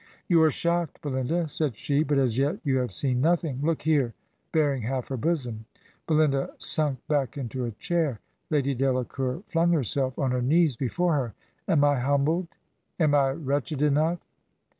' You are shocked, Belinda,' said she, 'but as yet you have seen nothing — look here' — ^baring half her bosom. ... Belinda sunk back into a chair; Lady Delacour flung herself on her knees before her. ' Am I humbled, am I wretch ed enough?'"